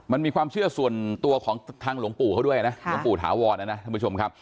มันมีความเชื่อส่วนตัวของทางหลวงปู่เขาด้วยนะหลวงปู่ถาวรนะนะท่านผู้ชมครับ